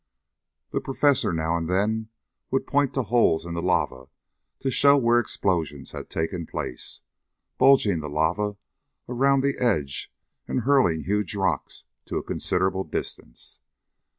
The Professor now and then would point to holes in the lava to show where explosions had taken place, bulging the lava around the edge and hurling huge rocks to a considerable distance.